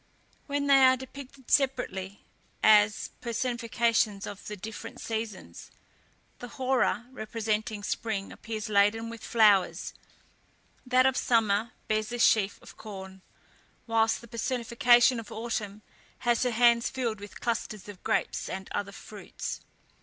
When they are depicted separately as personifications of the different seasons, the Hora representing spring appears laden with flowers, that of summer bears a sheaf of corn, whilst the personification of autumn has her hands filled with clusters of grapes and other fruits.